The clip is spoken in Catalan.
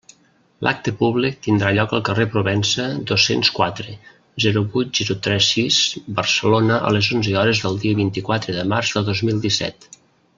L'acte públic tindrà lloc al carrer Provença, dos-cents quatre, zero vuit zero tres sis Barcelona, a les onze hores del dia vint-i-quatre de març de dos mil disset.